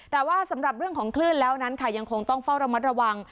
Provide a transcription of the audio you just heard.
แต่ว่าสำหรับเรื่องของคลื่นแล้วนั้นค่ะยังคงต้องเฝ้าระมัดระวัง